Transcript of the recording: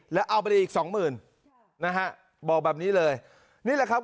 แล้วเอาไปได้อีกสองหมื่นนะฮะบอกแบบนี้เลยนี่แหละครับ